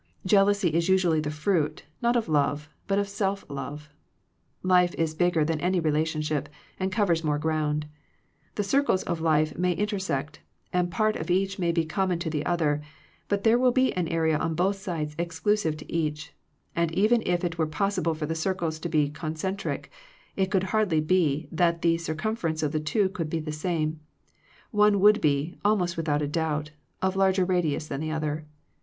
Jealousy is usually the fruit, not of love, but of self love. Life is big ger than any relationship, and covers more ground. The circles of life may in tersect, and part of each be common to the other, but there will be an area on both sides exclusive to each; and even if it were possible for the circles to be con centric, it could hardly be that the circum ference of the two could be the same; one would be, almost without a doubt, of larger radius than the other.